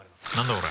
これ。